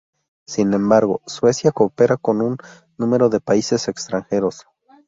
Sin embargo, Suecia coopera con un número de países extranjeros.